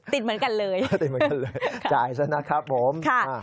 ติดเหมือนกันเลยติดเหมือนกันเลยจ่ายซะนะครับผม